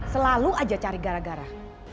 selalu aja cari gara gara